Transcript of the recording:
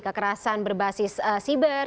kekerasan berbasis siber